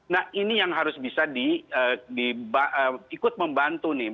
nah ini yang harus bisa di ikut membantu